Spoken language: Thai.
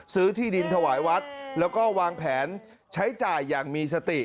ที่ดินถวายวัดแล้วก็วางแผนใช้จ่ายอย่างมีสติ